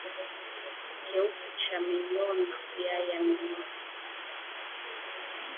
Kinyesi kuwa na minyoo na mayai ya minyoo hiyo